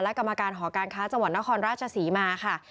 และกรรมการหอการค้าจังหวัดนครราชศรีมาค่ะ